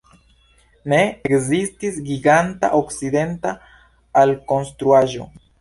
Ne ekzistis giganta okcidenta alkonstruaĵo.